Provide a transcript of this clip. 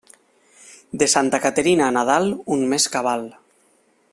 De Santa Caterina a Nadal, un mes cabal.